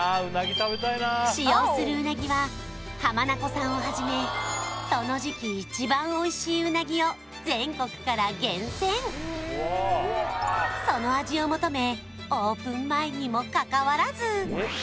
使用するうなぎはをはじめその時期一番おいしいうなぎを全国から厳選その味を求め